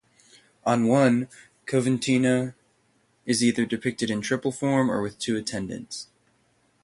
On one, Coventina is either depicted in triple form or with two attendants.